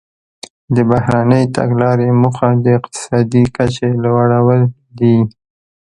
د بهرنۍ تګلارې موخه د اقتصادي کچې لوړول دي